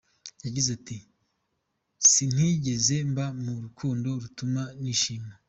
Yagize ati “ Sintigeze mba mu rukundo rutuma nishima ….